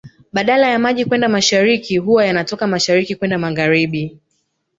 Badala ya maji kwenda mashariki huwa yana toka mashariki kwenda magharibi